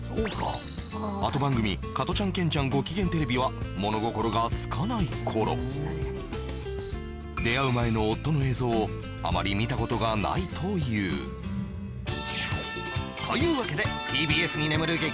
あと番組「加トちゃんケンちゃんごきげんテレビ」は物心がつかない頃出会う前の夫の映像をあまり見たことがないというというわけでＴＢＳに眠る激